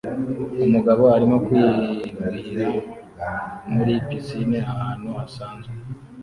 Umugabo arimo kwibira muri pisine ahantu hasanzwe